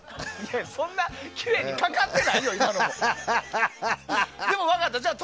そんなきれいにかかってないよ、今の。